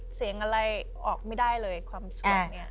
เสียงอะไรออกไม่ได้เลยความสวยเนี่ย